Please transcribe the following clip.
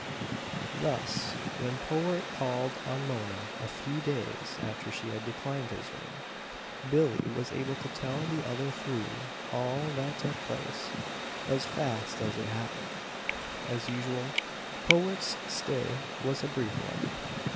Thus, when Powart called on Mona a few days after she had declined his ring, Billie was able to tell the other three all that took place, as fast as it happened. As usual, Powart's stay was a brief one.